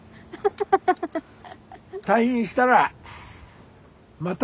退院したらまた。